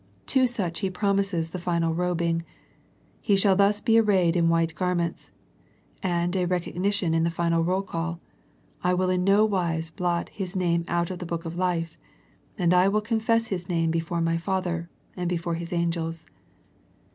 To such He promises the final robing, " He shall thus be arrayed in white garments," and a recognition in the final roll call, " I will in no wise blot his name out of the book of life, and I will confess his name before My Father, and before His an gels."